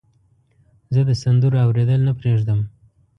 زه د سندرو اوریدل نه پرېږدم.